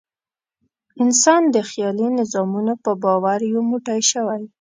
انسان د خیالي نظامونو په باور یو موټی شوی.